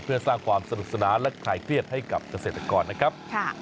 เพื่อสร้างความสนุกสนานและคลายเครียดให้กับเกษตรกรนะครับ